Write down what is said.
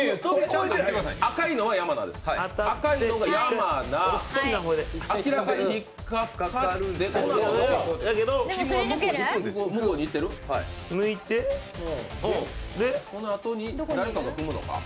赤いのが山名、明らかに引っかかってでもこのあとに誰かが踏むのか？